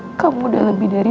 nai kau yang mau berbicara